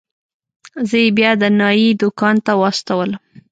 زه يې بيا د نايي دوکان ته واستولم.